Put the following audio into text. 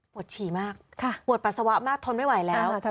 ฉี่มากปวดปัสสาวะมากทนไม่ไหวแล้ว